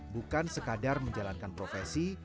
bukan sekadar menjalankan profesi